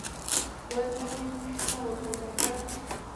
ور نه مې پوښتنه وکړه: کاکا!